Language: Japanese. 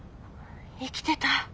生きてた！